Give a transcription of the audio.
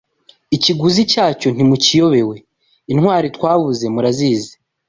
Ikiguzi cyacyo ntimukiyobewe Intwari twabuze murazizi